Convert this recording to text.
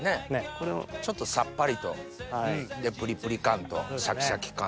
ちょっとさっぱりと。でプリプリ感とシャキシャキ感と。